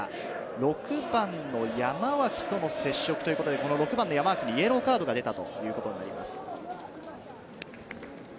６番の山脇との接触ということで、６番の山脇にイエローカードが出たということになります。